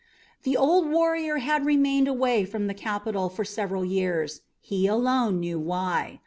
The old warrior had remained away from the capital for several years; he alone knew why.